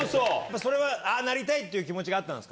それは、ああなりたいという気持ちがあったんですか？